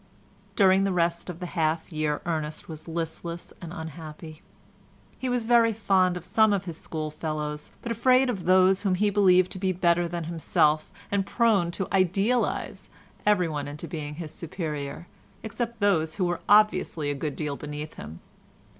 During the rest of the half year Ernest was listless and unhappy. He was very fond of some of his schoolfellows, but afraid of those whom he believed to be better than himself, and prone to idealise everyone into being his superior except those who were obviously a good deal beneath him.